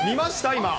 今。